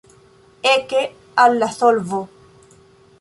Eke al la solvo!